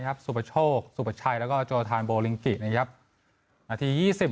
สุประโชคสุปชัยแล้วก็โจทานโบลิงกินะครับนาทียี่สิบ